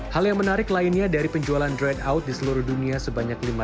hal yang menarik lainnya dari penjualan dreadout di seluruh dunia sebanyak lima ratus lima puluh ribu copy